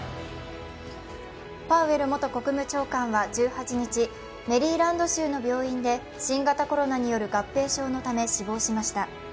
パウエル元国務長官は１８日、メリーランド州の病院で新型コロナによる合併症のため死亡しました。